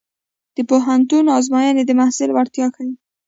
د پوهنتون ازموینې د محصل وړتیا ښيي.